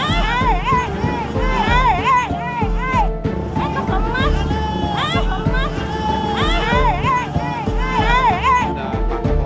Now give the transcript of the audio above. dan untuk mengecek bola tkp